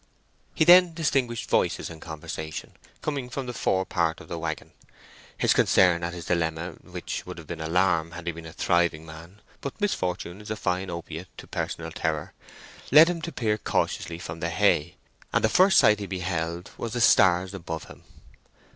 He then distinguished voices in conversation, coming from the forpart of the waggon. His concern at this dilemma (which would have been alarm, had he been a thriving man; but misfortune is a fine opiate to personal terror) led him to peer cautiously from the hay, and the first sight he beheld was the stars above him.